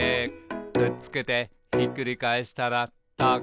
「くっつけてひっくり返したらタコ」